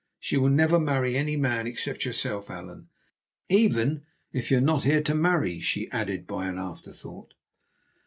She will never marry any man except yourself, Allan—even if you are not here to marry," she added by an afterthought.